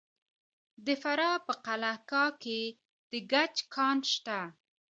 د فراه په قلعه کاه کې د ګچ کان شته.